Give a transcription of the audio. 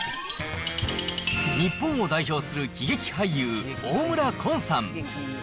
日本を代表する喜劇俳優、大村崑さん。